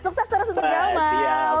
sukses terus untuk gamal